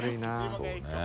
そうね。